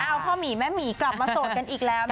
เอาพ่อหมีแม่หมีกลับมาโสดกันอีกแล้ว